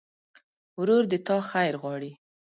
ورور د تا خیر غواړي.